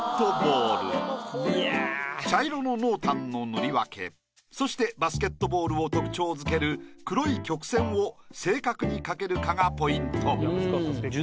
茶色の濃淡の塗り分けそしてバスケットボールを特徴づける黒い曲線を正確に描けるかがポイント。